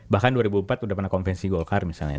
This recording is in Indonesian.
bahkan dua ribu empat sudah pernah konvensi golkar misalnya